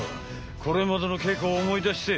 これまでの稽古を思い出して！